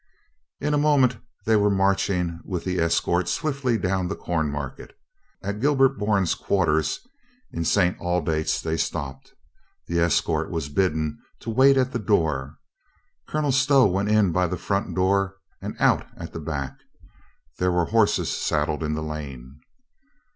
In a moment they were marching with the escort swiftly down the Cornmarket. At Gilbert Bourne's quarters in St. Aldate's they stopped. The escort was bidden wait at the door. Colonel Stow went in by the front door and out at the back. There were horses saddled in the lane.